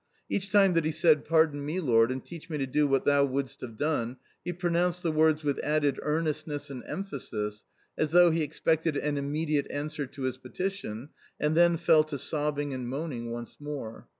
Each time that he said, "Pardon me, Lord, and teach me to do what Thou wouldst have done," he pronounced the words with added earnestness and emphasis, as though he expected an immediate answer to his petition, and then fell to sobbing and moaning once more.